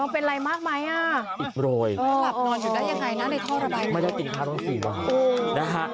เป็นไรมากมั้ยหรือดีตรง